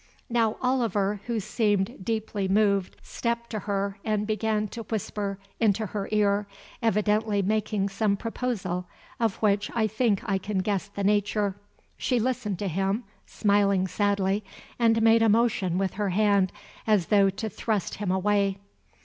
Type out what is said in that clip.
Now Oliver, who seemed deeply moved, stepped to her and began to whisper into her ear, evidently making some proposal of which I think I can guess the nature. She listened to him, smiling sadly, and made a motion with her hand as though to thrust him away.